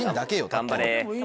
頑張れ。